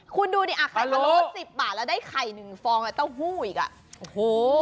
คุณดูดิอ่ะไข่พะโล้๑๐บาทแล้วได้ไข่หนึ่งฟองอ่ะเต้าหู้อีกอ่ะโอ้โห